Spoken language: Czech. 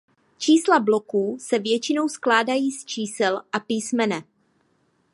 Čísla bloků se většinou skládají z čísla a písmene.